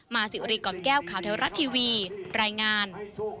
สิวรีกล่อมแก้วข่าวเทวรัฐทีวีรายงาน